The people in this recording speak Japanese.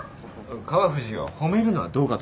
川藤よ褒めるのはどうかと思うぞ。